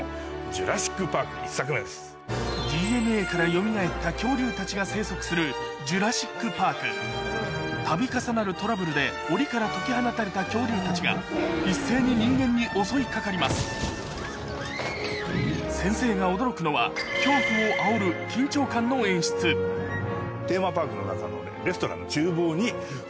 ＤＮＡからよみがえった恐竜たちが生息する『ジュラシック・パーク』度重なるトラブルでおりから解き放たれた恐竜たちが一斉に人間に襲い掛かります先生が驚くのはテーマパークの中の。